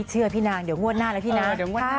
พี่เชื่อพี่นางเดี๋ยวงวดหน้าแล้วพี่นาง